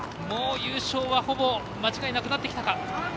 もう優勝はほぼ間違いなくなってきたか。